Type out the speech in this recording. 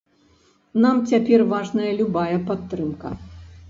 Нам цяпер важная любая падтрымка.